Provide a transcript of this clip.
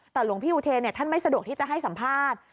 แต่หลวงพี่อุเทนท่านไม่สะดวกที่จะให้สัมภาษณ์